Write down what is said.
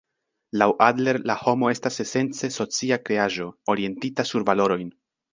Laŭ Adler la homo estas esence socia kreaĵo, orientita sur valorojn.